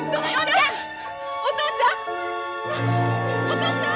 お父ちゃん！